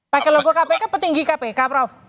pakai logo kpk petinggi kpk prof